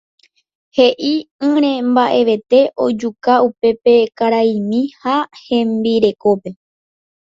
he'i'ỹre mba'evete ojuka upe karaimi ha hembirekópe.